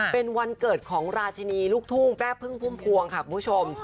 เป็นวันเกิดของราชินีลูกทุ่งแม่พึ่งพุ่มพวงค่ะคุณผู้ชม